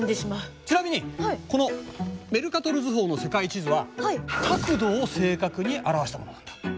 ちなみにこのメルカトル図法の世界地図は角度を正確に表したものなんだ。